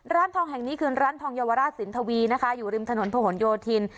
ร้านทองแห่งนี้คือร้านทองเยาวราชสินทวีนะคะอยู่ริมถนนผนโยธิน